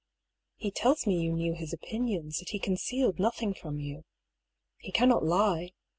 He tells me you knew his opinions, that he concealed nothing from you. He can not lie.